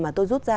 mà tôi rút ra